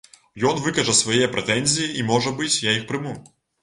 Ён выкажа свае прэтэнзіі, і, можа быць, я іх прыму.